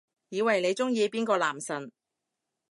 以為你鍾意邊個男神